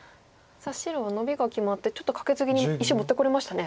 さあ白はノビが決まってちょっとカケツギに石持ってこれましたね。